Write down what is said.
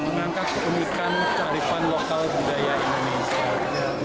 mengangkat keunikan kearifan lokal budaya indonesia